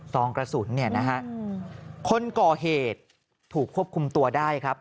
องกระสุนเนี่ยนะฮะคนก่อเหตุถูกควบคุมตัวได้ครับ